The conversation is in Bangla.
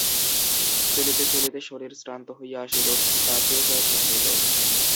চলিতে চলিতে শরীর শ্রান্ত হইয়া আসিল, রাত্রিও প্রায় শেষ হইল।